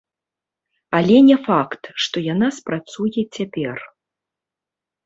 Але не факт, што яна спрацуе цяпер.